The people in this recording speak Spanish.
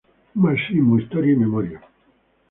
Marxismo, historia y memoria.